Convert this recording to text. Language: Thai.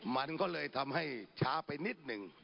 มันก็เลยทำให้ช้าไปนิดหนึ่ง